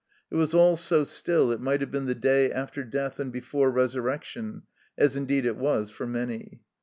It was all so still it might have been the day after death and before resurrection, as indeed it was for many.